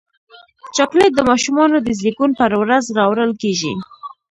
چاکلېټ د ماشومانو د زیږون پر ورځ راوړل کېږي.